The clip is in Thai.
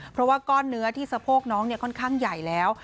เพราะว่าก้อนเนื้อที่สะโพกน้องค่อนข้างใหญ่แล้ว